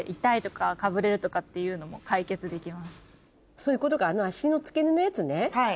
そういうことか脚の付け根のやつね。